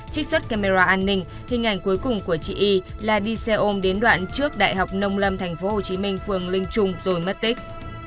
trích xuất camera an ninh hình ảnh cuối cùng của chị y là đi xe ôm đến đoạn trước đại học nông lâm thành phố hồ chí minh phường linh trung rồi mất tích